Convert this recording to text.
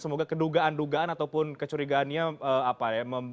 semoga kedugaan dugaan ataupun kecurigaannya apa ya